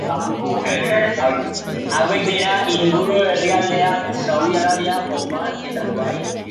Hauek dira inguruko herrialdeak: Saudi Arabia, Oman eta Dubai.